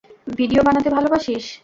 Video বানাতে ভালোবাসিস!